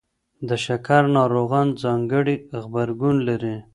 د شکر ناروغان ځانګړی غبرګون لري.